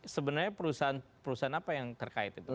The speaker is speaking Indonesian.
sebenarnya perusahaan apa yang terkait itu